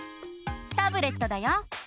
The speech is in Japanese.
タブレットだよ！